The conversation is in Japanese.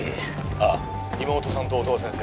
ああ妹さんと音羽先生